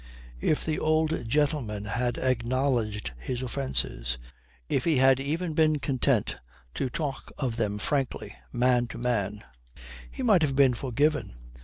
If the old gentleman had acknowledged his offences, if he had even been content to talk of them frankly, man to man, he might have been forgiven.